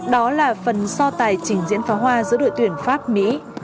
đó là phần so tài trình diễn pháo hoa giữa đội tuyển pháp mỹ